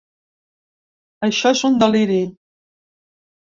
Això és un deliri.